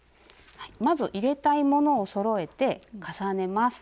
まず入れたいものをそろえて重ねます。